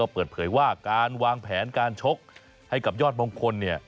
เปิดเผยว่าการวางแผนการชกให้กับยอดมงคล